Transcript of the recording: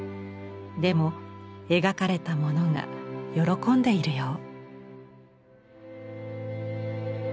でも描かれたものが喜んでいるよう。